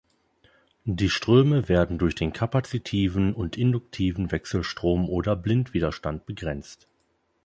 Die Ströme werden durch den kapazitiven und induktiven Wechselstrom- oder Blindwiderstand begrenzt.